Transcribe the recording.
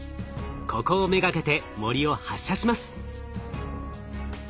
ここを目がけて銛を発射します。